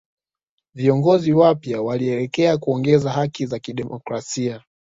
Viongozi wapya walielekea kuongeza haki za kidemokrasia